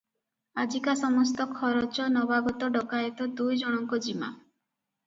ଆଜିକା ସମସ୍ତ ଖରଚ ନବାଗତ ଡକାଏତ ଦୁଇଜଣଙ୍କ ଜିମା ।